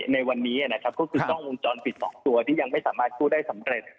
ในวันนี้เนี้ยนะครับก็คือต้องมูลเจ้าสิบต่อกลัวที่ยังไม่สามารถคู่ได้สำเร็จ